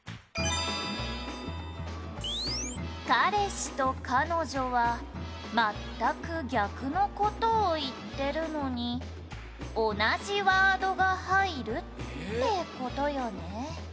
「彼氏と彼女は全く逆の事を言ってるのに同じワードが入るって事よね」